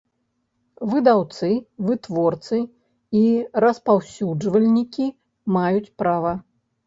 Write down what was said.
Выдаўцы, вытворцы i распаўсюджвальнiкi маюць права.